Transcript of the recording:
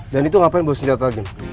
dan itu ngapain buat senjata lagi